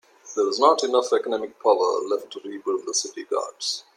There was not enough economic power left to rebuild the city guards.